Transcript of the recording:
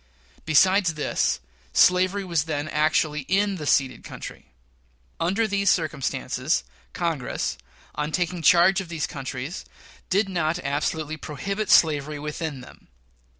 Besides this, slavery was then actually in the ceded country. Under these circumstances, Congress, on taking charge of these countries, did not absolutely prohibit slavery within them.